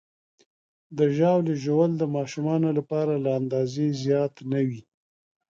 د ژاولې ژوول د ماشومانو لپاره له اندازې زیات نه وي.